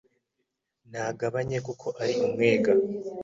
ntagabanye kuko ari Umwega,